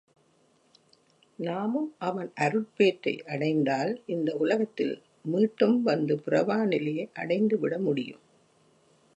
நாமும் அவன் அருட்பேற்றை அடைந்தால், இந்த உலகத்தில் மீட்டும் வந்து பிறவா நிலையை அடைந்து விட முடியும்.